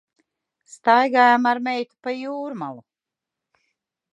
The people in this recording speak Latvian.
Staigājam ar meitu pa Jūrmalu.